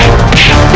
aku akan menang